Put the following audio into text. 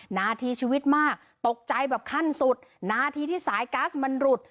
นาทีชีวิตมากตกใจแบบขั้นสุดนาทีที่สายก๊าซมันหลุด